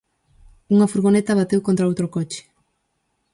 Unha furgoneta bateu contra outro coche.